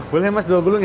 boleh mas dua gulung ya